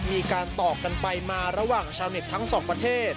มีการตอบกันไปมาระหว่างชาวเน็ตทั้งสองประเทศ